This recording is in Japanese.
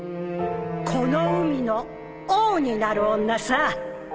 この海の王になる女さ